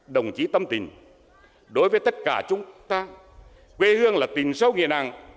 đồng chí tâm tình đối với tất cả chúng ta quê hương là tình sâu nghĩa nặng